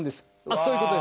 そういうことですね。